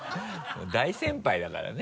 もう大先輩だからね。